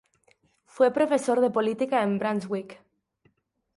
Fue profesor de política en Brunswick.